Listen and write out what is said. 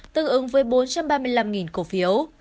tương ứng với bốn trăm ba mươi năm cổ phiếu